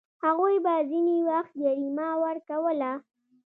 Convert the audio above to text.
هغوی به ځینې وخت جریمه ورکوله.